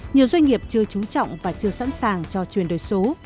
nhiều doanh nghiệp chưa trú trọng và chưa sẵn sàng cho chuyển đổi số